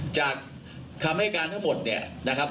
จากคำให้การทั้งหมดเนี่ยนะครับ